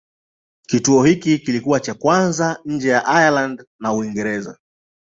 Kituo hiki kilikuwa cha kwanza nje ya Ireland na Uingereza.